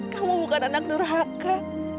kamu bukan anak nurhaka